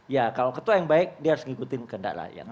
ya kalau ketua yang baik dia harus ngikutin ke ndak layak